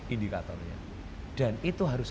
indikatornya dan itu harus